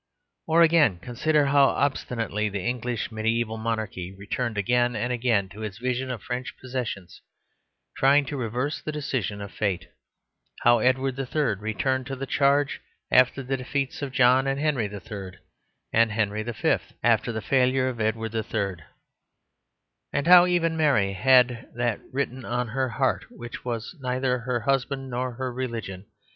Or again, consider how obstinately the English mediæval monarchy returned again and again to its vision of French possessions, trying to reverse the decision of fate; how Edward III. returned to the charge after the defeats of John and Henry III., and Henry V. after the failure of Edward III.; and how even Mary had that written on her heart which was neither her husband nor her religion.